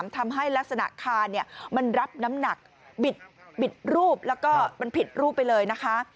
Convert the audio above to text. ทำให้ลักษณะคานมันรับน้ำหนักบิดรูปแล้วก็มันผิดรูปไปเลยนะคะ